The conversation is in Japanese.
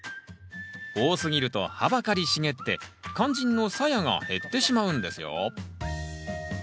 多すぎると葉ばかり茂って肝心のさやが減ってしまうんですよ。